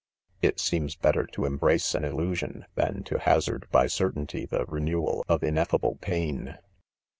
/■ 4 It seems better to embrace an illusion than I to hazard 3 by certainty, the renewal of ineifa l_ Me pain.